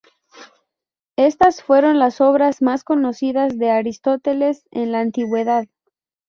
Estas fueron las obras más conocidas de Aristóteles en la Antigüedad.